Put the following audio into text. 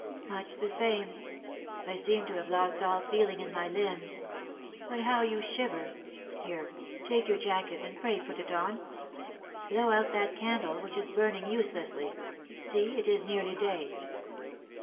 "Much the same; I seem to have lost all feeling in my limbs. But how you shiver! Here, take your jacket, and pray put it on. Blow out that candle, which is burning uselessly, see, it is nearly day!"